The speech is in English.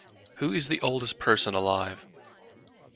Who is the oldest person alive?